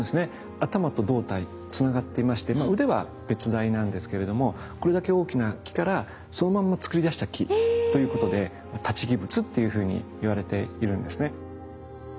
頭と胴体つながっていまして腕は別材なんですけれどもこれだけ大きな木からそのまんまつくり出した木ということで「立木仏」っていうふうにいわれているんですね。